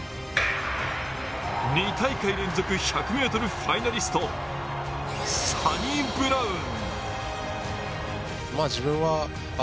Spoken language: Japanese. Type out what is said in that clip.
２大会連続１００ｍファイナリスト、サニブラウン。